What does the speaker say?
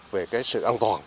về sự an toàn